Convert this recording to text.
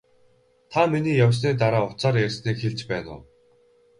Та миний явсны дараа утсаар ярьсныг хэлж байна уу?